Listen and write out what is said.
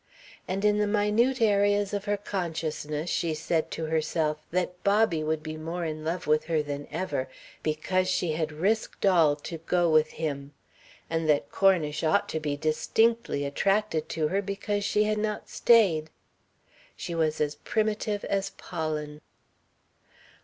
And in the minute areas of her consciousness she said to herself that Bobby would be more in love with her than ever because she had risked all to go with him; and that Cornish ought to be distinctly attracted to her because she had not stayed. She was as primitive as pollen.